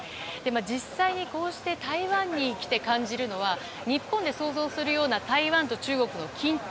実際に、こうして台湾に来て感じるのは日本で想像するような台湾と中国の緊張。